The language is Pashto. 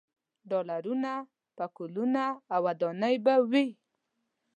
ډالرونه، پکولونه او ودانۍ به وي.